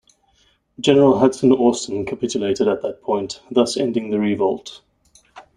General Hudson Austin capitulated at that point, thus ending the revolt.